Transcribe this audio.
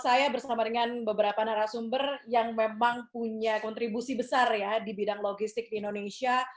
saya bersama dengan beberapa narasumber yang memang punya kontribusi besar ya di bidang logistik di indonesia